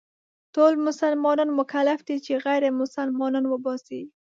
ټول مسلمانان مکلف دي چې غير مسلمانان وباسي.